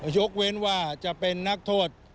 ยกเว้นว่าจะเป็นนักโทษ